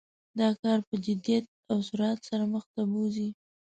دا کار په جدیت او سرعت سره مخ ته بوزي.